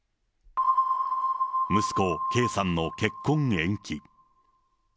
息子、圭さんの結婚延期。